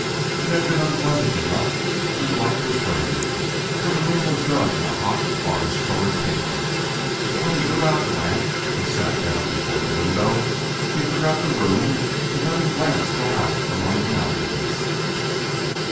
It had been unpleasant enough when the light was burning, for the room was done in a hot, orange colored paper, but when he blew out the lamp and sat down before the window he forgot the room and let his glance go out among the mountains.